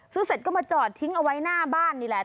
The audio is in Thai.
เสร็จก็มาจอดทิ้งเอาไว้หน้าบ้านนี่แหละ